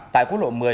tại quốc lộ một mươi